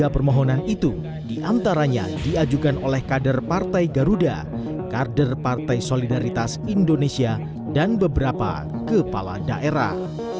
tiga permohonan itu diantaranya diajukan oleh kader partai garuda kader partai solidaritas indonesia dan beberapa kepala daerah